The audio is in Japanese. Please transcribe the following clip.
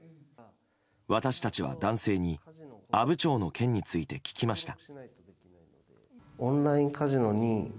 私たちは男性に阿武町の件について聞きました。